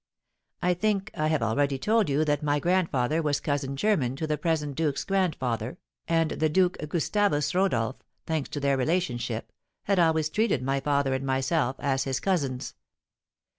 I think I have already told you that my grandfather was cousin german to the present duke's grandfather, and the Duke Gustavus Rodolph, thanks to this relationship, had always treated my father and myself as his cousins.